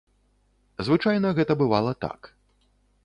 Звычайна гэта бывала так.